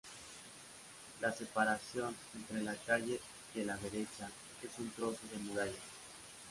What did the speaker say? La separación entre la "calle de la derecha", es un trozo de muralla.